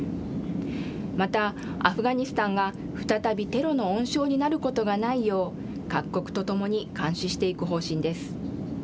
また、アフガニスタンが再びテロの温床になることがないよう、各国とともに監視していく方針です。